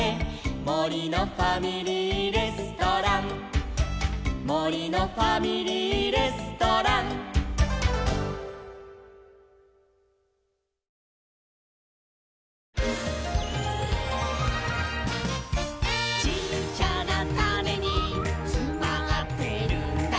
「もりのファミリーレストラン」「もりのファミリーレストラン」「ちっちゃなタネにつまってるんだ」